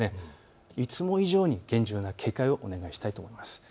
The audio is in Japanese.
いつも以上に厳重な警戒をお願いしたいと思います。